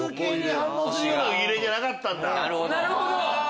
なるほど！